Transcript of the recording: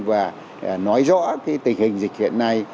và nói rõ cái tình hình dịch hiện nay